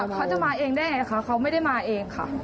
เขาจะมาเองได้ไงคะเขาไม่ได้มาเองค่ะ